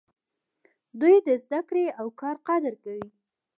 دوی د زده کړې او کار قدر کوي.